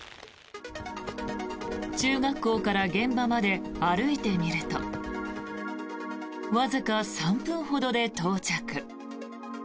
中学校から現場まで歩いてみるとわずか３分ほどで到着。